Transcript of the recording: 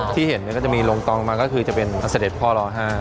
ที่เห็นก็จะมีโรงตรองมาก็คือจะเป็นสมเด็จพ่อลอห้าน